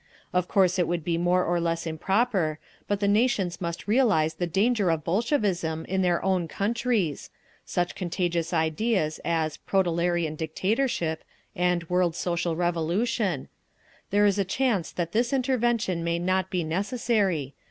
Of course it would be more or less improper, but the nations must realise the danger of Bolshevism in their own countries—such contagious ideas as 'proletarian dictatorship,' and 'world social revolution'… There is a chance that this intervention may not be necessary.